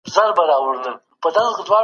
آیا زده کړه د انسان شخصیت بدلوي؟